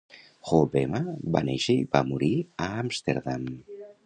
Hobbema va néixer i va morir a Amsterdam.